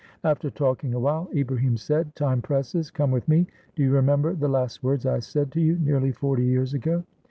After talking a while Ibrahim said, "Time presses, come with me. Do your remember the last words I said to you nearly forty years ago?"